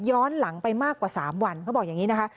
หลังไปมากกว่า๓วันเขาบอกอย่างนี้นะคะ